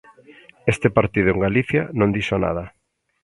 Este partido en Galicia non dixo nada.